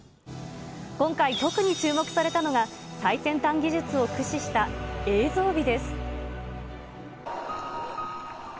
今回、特に注目されたのが、最先端技術を駆使した映像美です。